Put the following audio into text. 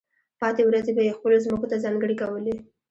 پاتې ورځې به یې خپلو ځمکو ته ځانګړې کولې.